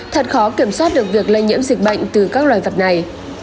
thật khó kiểm soát được việc lây nhiễm dịch bệnh từ các loài vật này